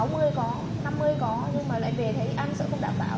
nhưng mà lại về thấy ăn sợ không đảm bảo